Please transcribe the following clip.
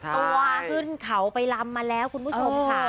ตัวขึ้นเขาไปลำมาแล้วคุณผู้ชมค่ะ